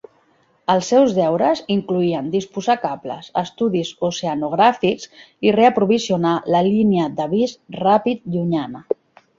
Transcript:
Els seus deures incloïen disposar cables, estudis oceanogràfics i reaprovisionar la línia d'avis ràpid llunyana.